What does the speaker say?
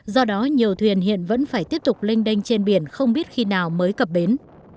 do đó nhiều thuyền hiện vẫn phải tiếp tục lênh đênh trên biển không biết khi nào mới cập bến